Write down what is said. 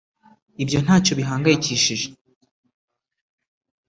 ibyo ntacyo bihangayikishije